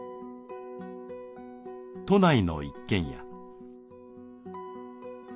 都内の一軒家。